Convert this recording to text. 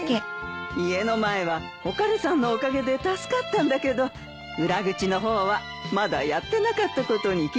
家の前はお軽さんのおかげで助かったんだけど裏口の方はまだやってなかったことに気付いたんだよ。